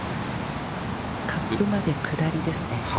カップまで下りですね。